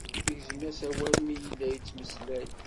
Tegzem-as as awal mi yella yettmeslay.